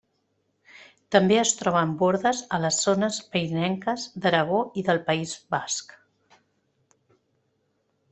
També es troben bordes a les zones pirinenques d'Aragó i del País Basc.